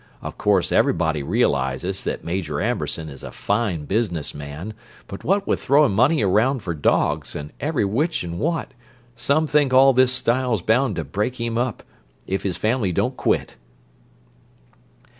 Of course everybody realizes that Major Amberson is a fine business man, but what with throwin' money around for dogs, and every which and what, some think all this style's bound to break him up, if his family don't quit!"